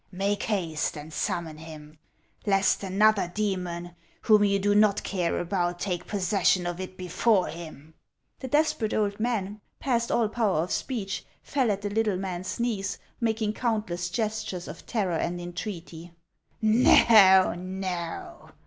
Make haste and summon him, lest another demon whom you do not care about, take posses sion of it before him." HANS OF ICELAND. The desperate old man, past all power of speech, fell at the little mail's knees, making countless gestures of terror and entreaty. " No, no !